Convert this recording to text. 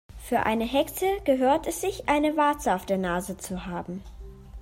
Für eine Hexe gehört es sich, eine Warze auf der Nase zu haben.